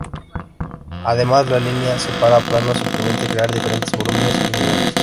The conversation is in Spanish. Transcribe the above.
Además la línea separa planos, y permite crear diferentes volúmenes y niveles.